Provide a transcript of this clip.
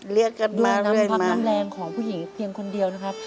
เรียกกันด้วยน้ำพักน้ำแรงของผู้หญิงเพียงคนเดียวนะครับ